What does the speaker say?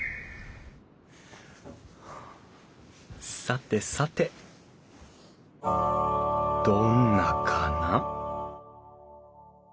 さてさてどんなかな？